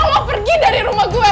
lo mau pergi dari rumah gue